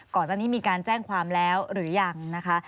ก่อนตอนนี้มีการแจ้งความแล้วหรือยังนะคะ